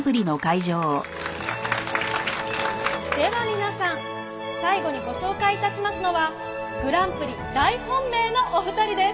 では皆さん最後にご紹介致しますのはグランプリ大本命のお二人です。